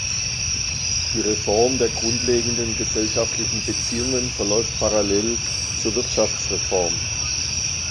Die Reform der grundlegenden gesellschaftlichen Beziehungen verläuft parallel zur Wirtschaftreform.